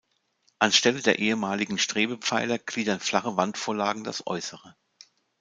An Stelle der ehemaligen Strebepfeiler gliedern flache Wandvorlagen das Äußere.